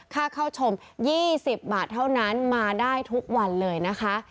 ค่าเข้าชม๒๐บาทเท่านั้นมาได้ทุกวันเลยนะคะ